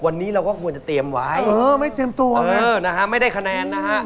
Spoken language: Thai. วันนี้เราก็ควรจะเตรียมไว้เออไม่เตรียมตัวเออนะฮะไม่ได้คะแนนนะฮะ